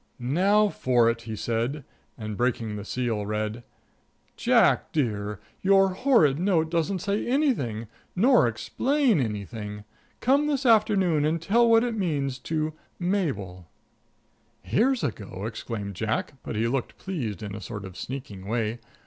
"Now for it," he said, and breaking the seal read: "'Jack dear: Your horrid note doesn't say anything, nor explain anything. Come this afternoon and tell what it means to MABEL.'" "Here's a go," exclaimed Jack, but he looked pleased in a sort of sneaking way.